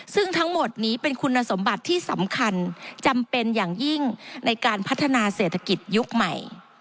ซึ่งทั้งหมดนี้เป็นคุณสมบัติที่สำคัญจำเป็นอย่างยิ่งในการพัฒนาเศรษฐกิจยุคใหม่